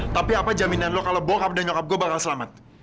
tapi apa jaminan lo kalau bob dan nyokap gue bakal selamat